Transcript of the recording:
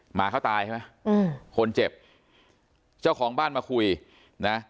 หมาเขาตายใช่ไหมอืมคนเจ็บเจ้าของบ้านมาคุยนะ